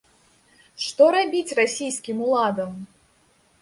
Што рабіць расійскім уладам?